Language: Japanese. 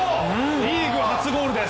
リーグ初ゴールです。